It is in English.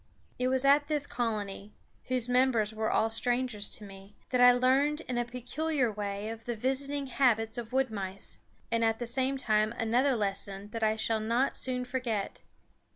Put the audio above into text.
It was at this colony, whose members were all strangers to me, that I learned in a peculiar way of the visiting habits of wood mice, and at the same time another lesson that I shall not soon forget.